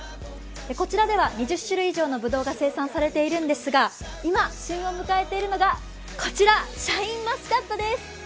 こちらでは２０種類以上のぶどうが生産されているんですが今、旬を迎えているのがこちら、シャインマスカットです。